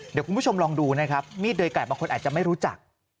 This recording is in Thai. เดี๋ยวคุณผู้ชมลองดูนะครับมีดโดยไก่บางคนอาจจะไม่รู้จัก